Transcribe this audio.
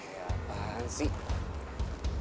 eh apaan sih